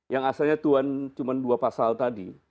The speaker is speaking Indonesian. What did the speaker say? yang asalnya tuhan cuma dua pasal tadi